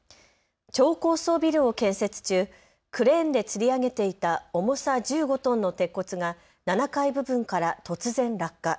超高層ビルを建設中、クレーンでつり上げていた重さ１５トンの鉄骨が７階部分から突然、落下。